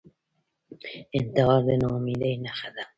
انتحار د ناامیدۍ نښه ده